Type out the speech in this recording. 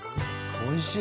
おいしい！